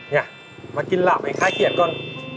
นี่มากินหลับให้ค่ะเครียดก่อน